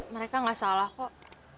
mereka gak salah kok